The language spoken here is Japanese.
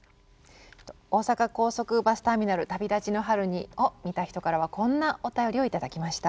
「大阪高速バスターミナル旅立ちの春に」を見た人からはこんなお便りを頂きました。